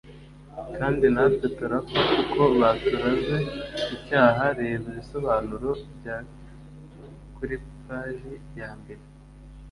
kandi natwe turapfa kuko baturaze icyaha Reba Ibisobanuro bya ku ipaji ya mbere